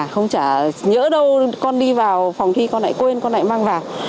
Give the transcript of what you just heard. không trả nhớ đâu con đi vào phòng thi con lại quên con lại mang vào